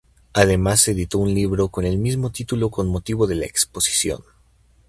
Además se editó un libro con el mismo título con motivo de la exposición.